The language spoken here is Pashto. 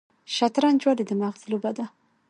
شطرنج ولې د مغز لوبه ده؟